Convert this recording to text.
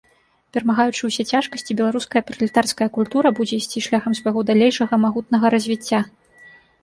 Перамагаючы ўсе цяжкасці, беларуская пралетарская культура будзе ісці шляхам свайго далейшага магутнага развіцця.